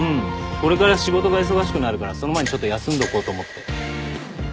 これから仕事が忙しくなるからその前にちょっと休んどこうと思って。